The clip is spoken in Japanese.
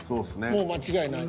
もう間違いない。